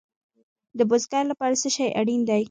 د بزګر لپاره څه شی اړین دی؟